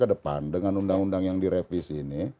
ke depan dengan undang undang yang direvisi ini